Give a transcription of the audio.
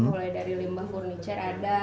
mulai dari limbah furniture ada